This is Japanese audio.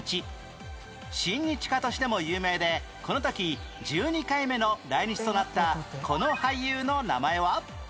親日家としても有名でこの時１２回目の来日となったこの俳優の名前は？